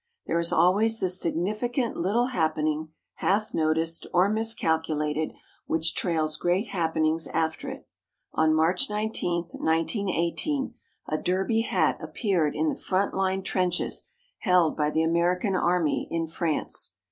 There is always the significant little happening, half noticed or miscalculated, which trails great happenings after it. On March 19, 1918, a derby hat appeared in the front line trenches held by the American Army in France.